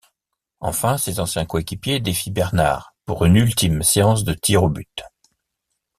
Enfin, ses anciens coéquipiers défient Bernard pour une ultime séance de tirs au but.